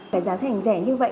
cái giá thành rẻ như vậy